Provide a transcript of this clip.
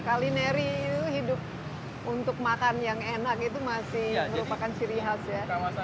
kalineri itu hidup untuk makan yang enak itu masih merupakan ciri khas ya